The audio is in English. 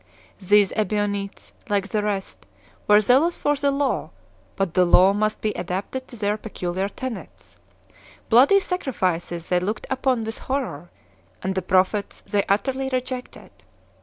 These Ebionites, like the rest, were zealous for the law, but the law must be adapted to their peculiar tenets; bloody sacrifices they looked upon with horror, and the prophets they utterly rejected.